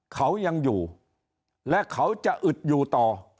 เขายังอยู่และเขาจะอึดอยู่ต่อ